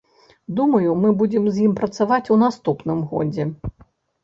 Думаю, мы будзем з ім працаваць у наступным годзе.